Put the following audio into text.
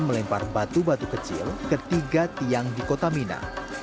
melempar batu batu kecil ketiga tiang di kota mina